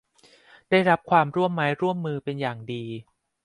ได้รับความร่วมไม้ร่วมมือเป็นอย่างดี